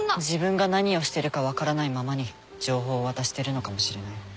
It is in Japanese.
自分が何をしてるか分からないままに情報を渡してるのかもしれない。